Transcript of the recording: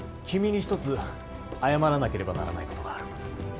君に一つ謝らなければならない事がある。